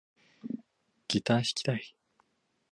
ギター弾きたい